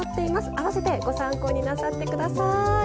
併せてご参考になさって下さい。